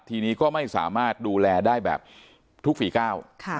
ทีนี้ก็ไม่สามารถดูแลได้แบบทุกฝีก้าว